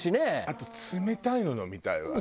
あと冷たいのを飲みたいわ。